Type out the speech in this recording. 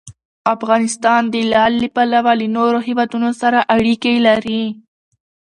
افغانستان د لعل له پلوه له نورو هېوادونو سره اړیکې لري.